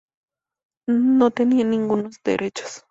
No tenían ningunos derechos.